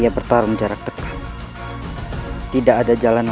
bertahan resi guru